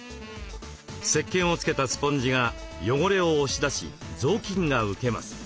せっけんをつけたスポンジが汚れを押し出し雑巾が受けます。